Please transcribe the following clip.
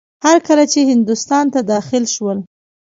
هر کله چې هندوستان ته داخل شول.